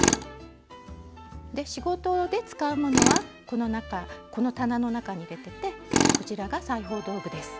仕事で使うものはこの中この棚の中に入れててこちらが裁縫道具です。